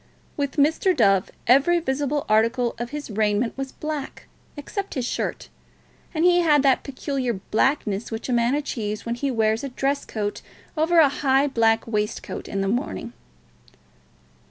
With Mr. Dove every visible article of his raiment was black, except his shirt, and he had that peculiar blackness which a man achieves when he wears a dress coat over a high black waistcoat in the morning.